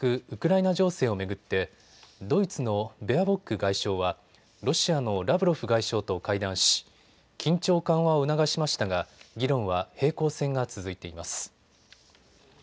ウクライナ情勢を巡ってドイツのベアボック外相はロシアのラブロフ外相と会談し緊張緩和を促しましたが議論は平行線が続いています。